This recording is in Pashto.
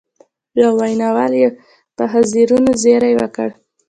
یوه ویناوال پر حاضرینو زېری وکړ.